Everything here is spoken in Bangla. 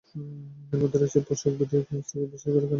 এর মধ্যে রয়েছে পোশাক, ভিডিও গেমস থেকে শুরু করে খেলনা এবং জলখাবার।